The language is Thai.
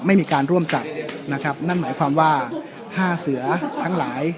ไม่มีการร่วมจับนะครับนั่นหมายความว่าห้าเสือทั้งหลาย